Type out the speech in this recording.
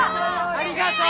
ありがとう！